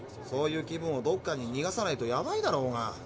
そういう気分をどっかににがさないとやばいだろうが。